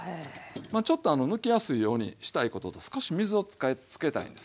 まあちょっとむきやすいようにしたいことと少し水をつけたいんですよ。